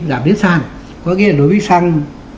giảm đến xăng có nghĩa là đối với xăng